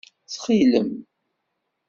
Ttxil-m.